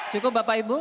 cukup bapak ibu